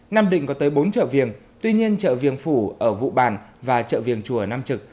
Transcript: nam định có tới bốn chợ viền tuy nhiên chợ viền phủ ở vụ bàn và chợ viền chùa nam trực